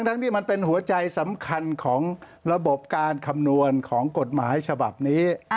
ที่มันเป็นหัวใจสำคัญของระบบการคำนวณของกฎหมายฉบับนี้